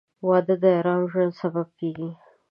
• واده د ارام ژوند سبب کېږي.